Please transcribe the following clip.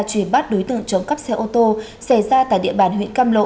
truyền bắt đối tượng chống cắp xe ô tô xảy ra tại địa bàn huyện cam lộ